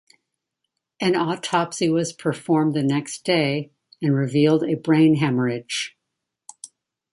An autopsy was performed the next day, and revealed a brain haemorrhage.